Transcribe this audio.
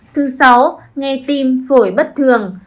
thứ sáu nghe tim phổi bất thường